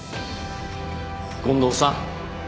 権藤さん